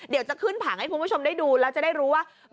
เดี๋ยวจะขึ้นผังให้คุณผู้ชมได้ดูแล้วจะได้รู้ว่า